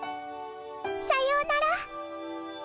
さようなら。